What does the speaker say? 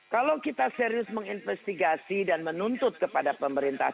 kalau kita serius menginvestigasi dan menuntut kepada pemerintah